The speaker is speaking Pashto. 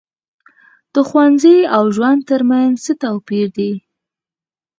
د ښوونځي او ژوند تر منځ څه توپیر دی.